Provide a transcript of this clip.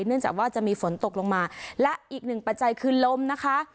เนื่องจากว่าจะมีฝนตกลงมาและอีกหนึ่งปัจจัยคือลมนะคะ